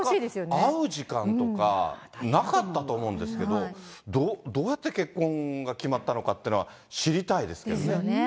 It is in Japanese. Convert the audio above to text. なかなか会う時間とか、なかったと思うんですけど、どうやって結婚が決まったのかっていうのは、知りたいですけどね。ですよね。